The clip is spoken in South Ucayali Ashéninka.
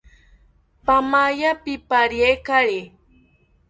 Paamaya pipariekari